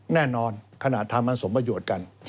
แน่นอนขนาดทำมันสมประโยชน์กัน